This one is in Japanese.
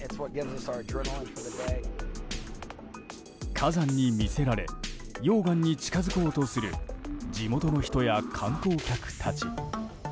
火山に魅せられ溶岩に近づこうとする地元の人や観光客たち。